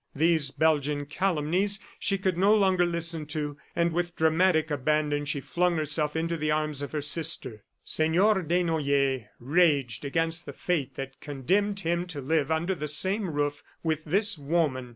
These Belgian calumnies she could no longer listen to ... and, with dramatic abandon, she flung herself into the arms of her sister. Senor Desnoyers raged against the fate that condemned him to live under the same roof with this woman.